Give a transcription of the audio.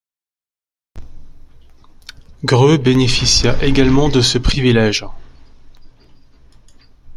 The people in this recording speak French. Greux bénéficia également de ce privilège.